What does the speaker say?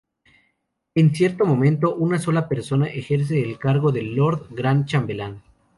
En cierto momento, una sola persona ejerce el cargo de lord gran chambelán.